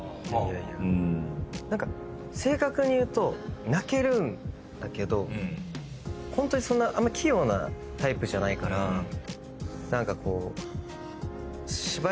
正確に言うと泣けるんだけどホントにそんなあんまり器用なタイプじゃないから何かこう。